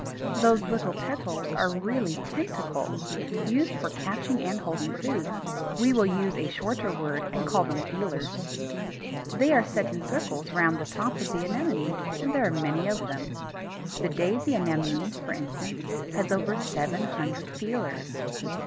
Those little "petals" are really tentacles, used for catching and holding food. We will use a shorter word and call them feelers. They are set in circles round the top of the Anemone, and there are many of them. The Daisy Anemone, for instance, has over seven hundred feelers.